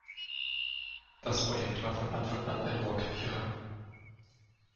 Das Projekt war von Anfang an ein Rohrkrepierer.